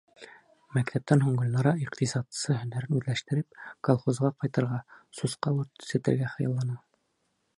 Мәктәптән һуң Гөлнара иҡтисадсы һөнәрен үҙләштереп, колхозға ҡайтырға, сусҡа үрсетергә хыяллана.